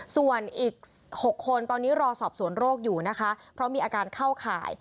ส่วนอีก๖คนตอนนี้รอสอบสวนโรคอยู่นะคะเพราะมีอาการเข้าข่าย